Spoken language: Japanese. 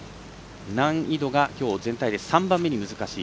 難易度がきょう全体で３番目に難しい。